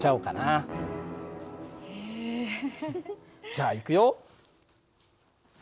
じゃあいくよ。